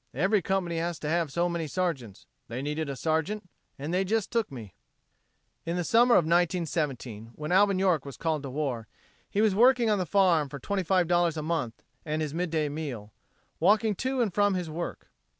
Every company has to have so many sergeants. They needed a sergeant; and they jes' took me." In the summer of 1917 when Alvin York was called to war, he was working on the farm for $25 a month and his midday meal, walking to and from his work.